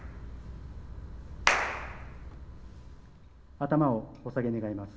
頭をお下げ願います。